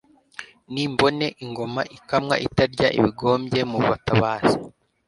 Nimbone ingoma ikamwa itarya ibigombye mu batabazi.